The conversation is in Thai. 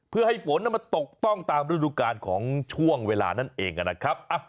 เพื่อให้ฝนมาตกต้องตามศูนย์การของเวลานั่นเองช่างนั้นเองนะครับ